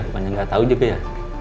pokoknya gak tau juga ya